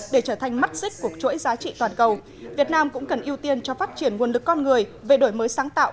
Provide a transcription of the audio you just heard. để trở thành mắt xích của chuỗi giá trị toàn cầu việt nam cũng cần ưu tiên cho phát triển nguồn lực con người về đổi mới sáng tạo